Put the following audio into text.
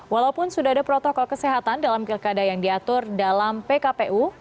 walaupun sudah ada protokol kesehatan dalam pilkada yang diatur dalam pkpu